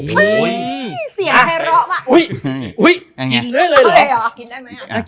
เฮ้ยเสียงให้เหราะมาก